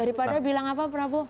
daripada bilang apa prabu